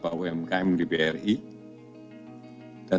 dan hal inilah yang akan menjadi fokus bri ke depan